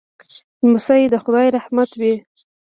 لمسی د خدای رحمت وي.